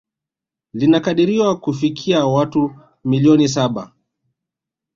Linakadiriwa kufikia watu milioni saba